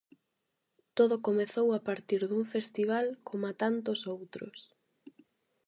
Todo comezou a partir dun festival coma tantos outros.